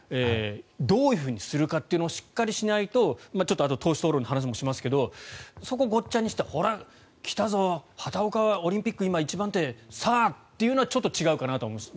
どういうふうにするかというのをしっかりしないと党首討論の話もあとでしますがそこをごっちゃにしてほら、来たぞ畑岡、今、オリンピック一番手さあ、というのはちょっと違うかなと思いますが。